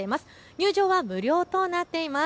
入場は無料となっています。